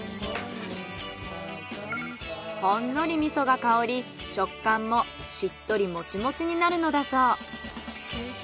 ほんのり味噌が香り食感もしっとりモチモチになるのだそう。